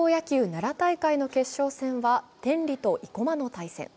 奈良大会の決勝戦は天理と生駒の対戦。